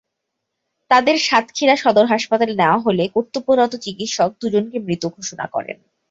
তাঁদের সাতক্ষীরা সদর হাসপাতালে নেওয়া হলে কর্তব্যরত চিকিৎসক দুজনকে মৃত ঘোষণা করেন।